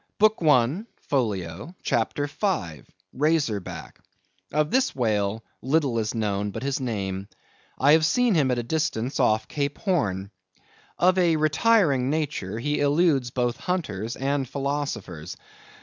BOOK I. (Folio), CHAPTER V. (Razor Back).—Of this whale little is known but his name. I have seen him at a distance off Cape Horn. Of a retiring nature, he eludes both hunters and philosophers.